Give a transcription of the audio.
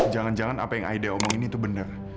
jangan jangan apa yang aida omongin itu bener